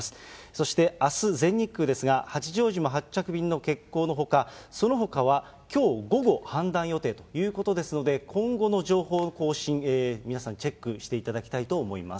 そしてあす全日空ですが、八丈島発着便の欠航のほか、そのほかはきょう午後、判断予定ということですので、今後の情報更新、皆さん、チェックしていただきたいと思います。